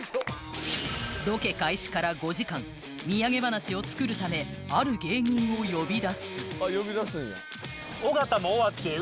ロケ開始から５時間みやげ話を作るためある芸人を呼び出すありますからね